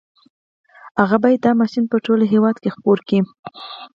هغه بايد دا ماشين په ټول هېواد کې خپور کړي.